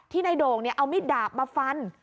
ที่ในโด่งนี่เอามีดดาบมาฟัน